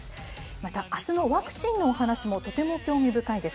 またあすのワクチンのお話もとても興味深いです。